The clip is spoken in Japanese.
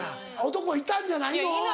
男いたんじゃないの？